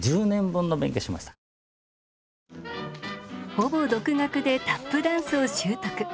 ほぼ独学でタップダンスを習得。